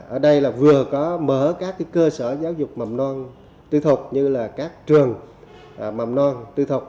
ở đây vừa có mở các cơ sở giáo dục mầm non tư thuộc như các trường mầm non tư thuộc